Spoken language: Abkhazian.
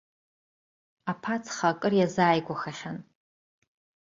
Аԥацха акыр иазааигәахахьан.